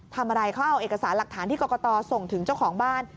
ทำอะไรเขาเอาเอกสารหลักฐานที่กรกตส่งถึงเจ้าของบ้าน